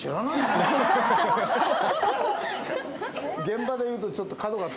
現場で言うとちょっと角が。